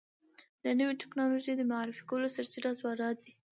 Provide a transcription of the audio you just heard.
د نوي ټکنالوژۍ د معرفي کولو سرچینه ځوانان دي.